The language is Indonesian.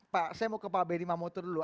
saya mau ke pak benny mamoto dulu